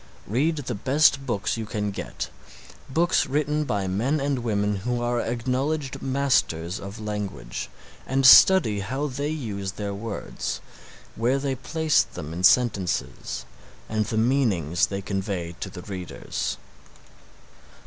Read the best books you can get, books written by men and women who are acknowledged masters of language, and study how they use their words, where they place them in the sentences, and the meanings they convey to the readers.